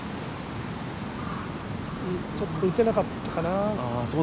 ちょっと打てなかったかな？